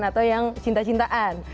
atau yang cinta cintaan